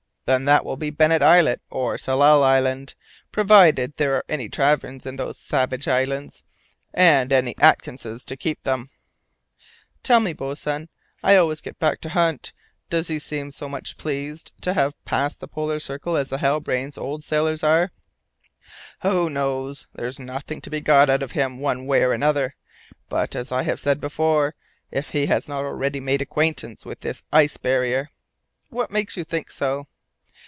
"Then that will be Bennet Islet or Tsalal Island, provided there are any taverns in those savage islands, and any Atkinses to keep them." "Tell me, boatswain I always get back to Hunt does he seem so much pleased to have passed the Polar Circle as the Halbrane's old sailors are?" "Who knows? There's nothing to be got out of him one way or another. But, as I have said before, if he has not already made acquaintance with the ice barrier." "What makes you think so?"